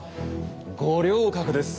五稜郭です。